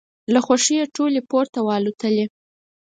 له خوښیه ټولې پورته والوتلې.